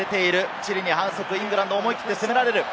チリに反則、イングランド思い切って攻められる。